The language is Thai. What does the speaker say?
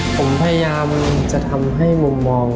ผมพยายามจะทำให้มุมมอง